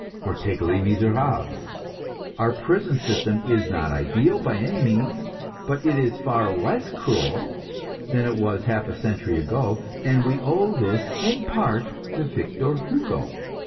Or take "Les Miserables." Our prison system is not ideal by any means, but it is far less cruel than it was half a century ago, and we owe this in part to Victor Hugo.